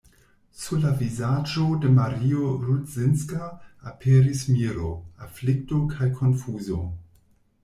Sur la vizaĝo de Mario Rudzinska aperis miro, aflikto kaj konfuzo.